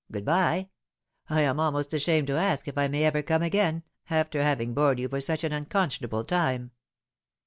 Good bye. I am almost ashamed to ask if I may ever come again, after having bored you for such an unconscionable time."